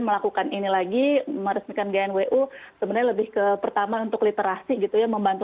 melakukan ini lagi meresmikan gnwu sebenarnya lebih ke pertama untuk literasi gitu ya membantu